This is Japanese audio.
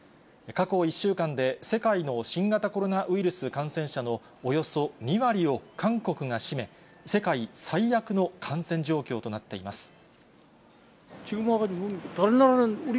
過去１週間で世界の新型コロナウイルス感染者のおよそ２割を韓国が占め、世界最悪の感染状況となっています。